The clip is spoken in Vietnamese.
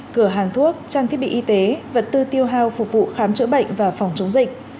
cửa hàng thuốc trang thiết bị y tế vật tư tiêu hao phục vụ khám chữa bệnh và phòng chống dịch